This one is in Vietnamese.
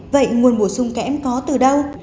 vậy nguồn bổ sung kẽm có từ đâu